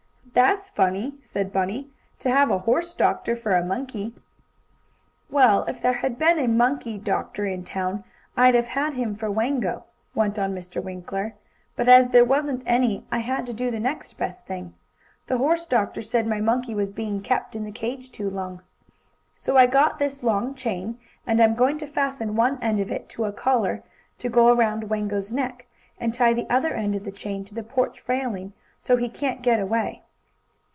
"That's funny," said Bunny. "To have a horse doctor for a monkey." "Well, if there had been a monkey doctor in town I'd have had him for Wango," went on Mr. Winkler, "but as there wasn't any I had to do the next best thing. The horse doctor said my monkey was being kept in the cage too much. "So I got this long chain, and I'm going to fasten one end of it to a collar, to go around Wango's neck, and tie the other end of the chain to the porch railing, so he can't get away.